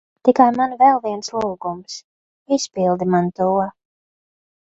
Tikai man vēl viens lūgums. Izpildi man to.